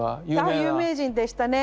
あ有名人でしたね。